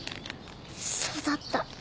そうだった。